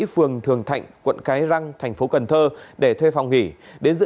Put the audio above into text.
phường thường thạnh quận cái răng thành phố cần thơ để thuê phòng nghỉ